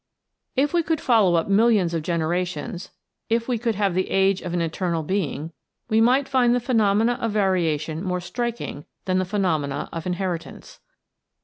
If we could follow up millions of generations, if we could have the age of an eternal being, we might find the phenomena of variation more striking than the phenomena of inheritance.